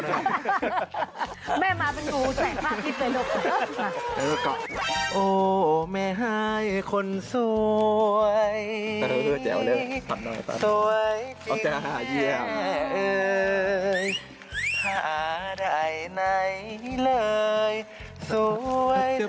นี่งูแสงที่จะกืนกินสไตล์แมนไม่ได้หรือ